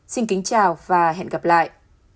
xin kính chào và hẹn gặp lại